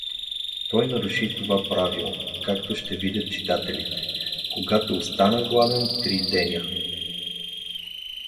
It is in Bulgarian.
Той наруши това правило, както ще видят читателите, когато остана гладен три деня.